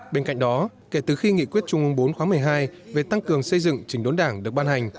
bên cạnh đó kể từ khi nghị quyết trung ương bốn khóa một mươi hai về tăng cường xây dựng trình đốn đảng được ban hành